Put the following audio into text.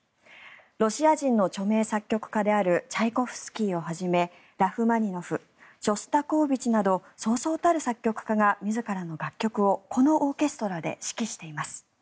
ロシア人の著名作曲家であるチャイコフスキーをはじめラフマニノフショスタコーヴィチなどそうそうたる作曲家が自らの楽曲をこのオーケストラで指揮しています。